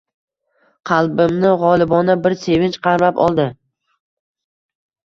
Qalbimni gʻolibona bir sevinch qamrab oldi.